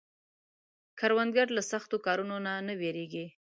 کروندګر له سختو کارونو نه نه ویریږي